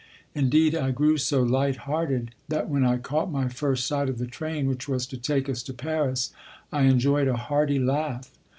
Indeed, I grew so lighthearted that when I caught my first sight of the train which was to take us to Paris, I enjoyed a hearty laugh.